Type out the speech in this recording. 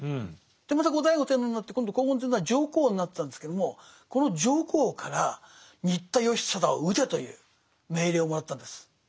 また後醍醐天皇になって今度光厳天皇は上皇になったんですけどもこの上皇から新田義貞を討てという命令をもらったんです。